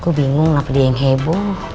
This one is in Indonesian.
gue bingung kenapa dia yang heboh